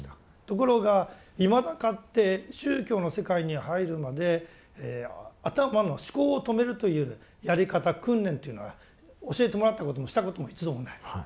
ところがいまだかつて宗教の世界に入るまで頭の思考を止めるというやり方訓練というのは教えてもらったこともしたことも一度もない。